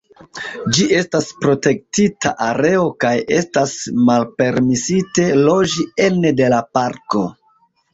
Ĝi estas protektita areo kaj estas malpermesite loĝi ene de la parko.